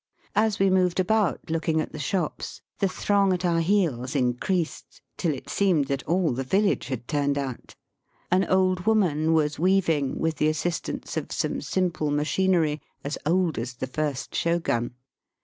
As we moved about looking at the shops, the throng at our heels increased tUl it seemed that all the village had turned out. An old woman was weaving with the assistance of some simple machinery as old as the first shogun.